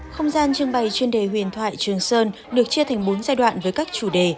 không gian trưng bày chuyên đề huyền thoại trường sơn được chia thành bốn giai đoạn với các chủ đề